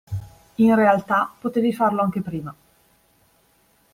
In realtà potevi farlo anche prima.